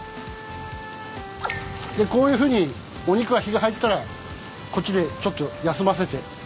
でこういうふうにお肉は火が入ったらこっちでちょっと休ませて。